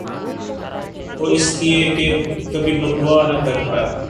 وُہ اس لئے کہ کبھی بد دُعا نہ کر پایا